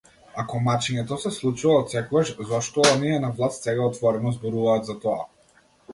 Ако мачењето се случува отсекогаш, зошто оние на власт сега отворено зборуваат за тоа?